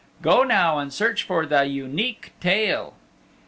Go now, and search for the Unique Tale."